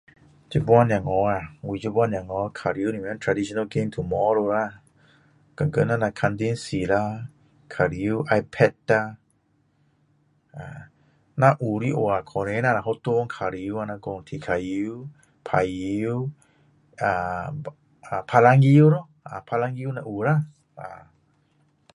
现在小孩呀现在小孩玩唱歌天天看电视咯玩 ipad 啦如果有的话可能学校玩踢足球打羽球打篮球